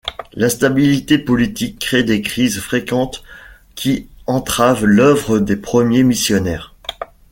L'instabilité politique crée des crises fréquentes qui entravent l’œuvre des premiers missionnaires.